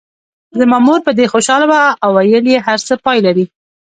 زما مور په دې خوشاله وه او ویل یې هر څه پای لري.